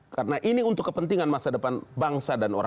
karena ini untuk kepentingan masa depan bangsa dan negara